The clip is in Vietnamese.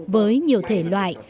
với nhiều thể loại